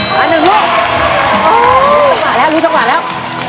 มาหนึ่งลูกอ๋อต้องหาแล้วรีบต้องหาแล้ว